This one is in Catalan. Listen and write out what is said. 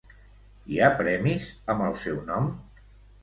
Hi ha premis amb el seu nom?